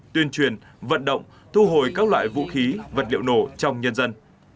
tuyên truyền vận động thu hồi các loại vũ khí vật liệu nổ trong nhân dân